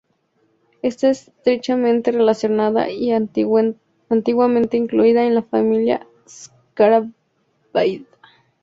Está estrechamente relacionada y antiguamente incluida en la familia Scarabaeidae.